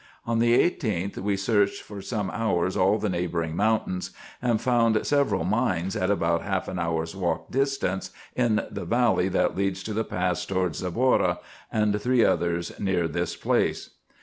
On the 18th, we searched for some hours all the neighbouring mountains, and found several mines at about half an hour's walk distant, in the valley that leads to the pass towards Zabora, and three others near this place.